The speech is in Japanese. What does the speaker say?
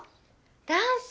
ダンス？